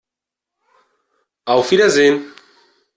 Auf Wiedersehen!